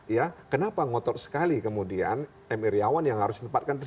ya kenapa ngotot sekali kemudian m iryawan yang harus ditempatkan